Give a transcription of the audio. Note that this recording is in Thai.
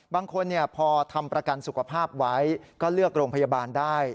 บางคนพอทำประกันสุขภาพไว้ก็เลือกโรงพยาบาลได้